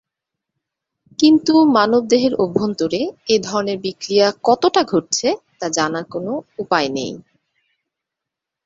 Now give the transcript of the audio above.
কিন্তু মানবদেহের অভ্যন্তরে এ ধরনের বিক্রিয়া কতটা ঘটছে তা জানার কোনো উপায় নেই।